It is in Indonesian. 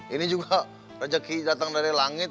ini juga rejeki datang dari langit